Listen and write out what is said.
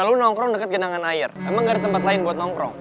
lalu nongkrong dekat genangan air emang gak ada tempat lain buat nongkrong